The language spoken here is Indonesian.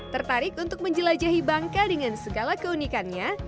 tertarik untuk menjelajahi bangka dengan segala keunikannya